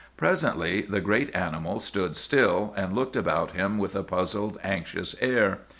"Presently the great animal stood still, and looked about him with a puzzled, anxious air.